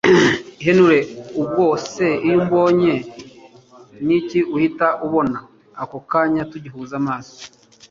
Henry ubwo se iyo umbonye niki uhita ubona ako kanya tugihuza amaso